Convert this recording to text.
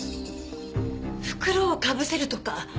袋をかぶせるとか？